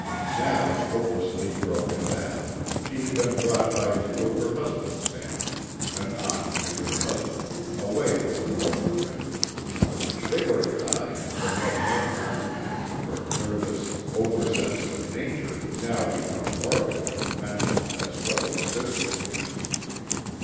Now, hopelessly broken down, she had been brought by two of her husband's family, an aunt and her husband, away from the Northern THE TWO WILLS. 139 winter. They were kind, but had no compre hension of her nervous, over sensitive nature now become morbid from mental as well as physical pain.